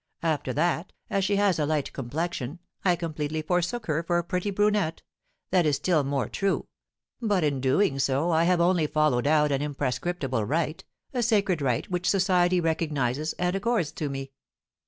After that, as she has a light complexion, I completely forsook her for a pretty brunette, that is still more true; but, in doing so, I have only followed out an imprescriptible right, a sacred right which society recognizes and accords to me.'